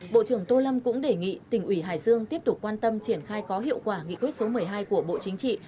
bộ trưởng tô lâm cũng đề nghị tỉnh ủy hải dương tiếp tục quan tâm triển khai có hiệu quả nghị quyết số một mươi hai của bộ chính trị